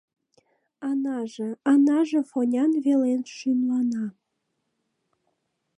Анаже, Анаже Фонян велен шӱмлана